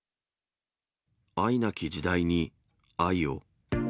愛無き時代に愛を。